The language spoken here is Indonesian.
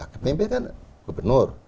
pemimpin kan gubernur